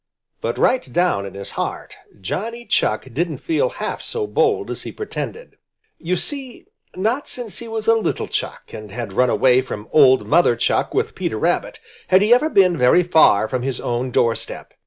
But right down in his heart Johnny Chuck didn't feel half so bold as he pretended. You see, not since he was a little Chuck and had run away from old Mother Chuck with Peter Rabbit, had he ever been very far from his own door step.